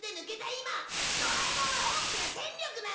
今ドラえもんは大きな戦力なんだ！